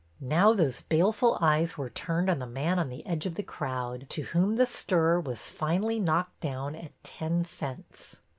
Now those baleful eyes were turned on the man on the edge of the crowd, to whom the stirrer was finally knocked down at ten cents.